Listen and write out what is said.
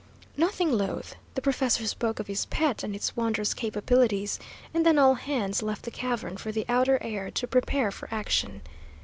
Nothing loath, the professor spoke of his pet and its wondrous capabilities, and then all hands left the cavern for the outer air, to prepare for action.